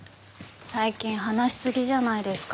最近話し過ぎじゃないですか？